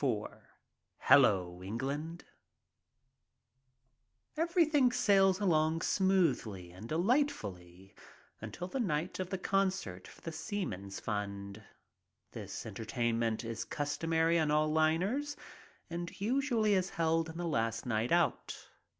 IV HELLO I ENGLAND EVERYTHING sails along smoothly and delightfully until the night of the concert for the seaman's fund. This entertainment is customary on all liners and usually is held on the last night out.